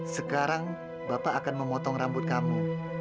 sekarang bapak akan memotong rambut kamu